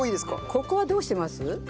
ここはどうしてます？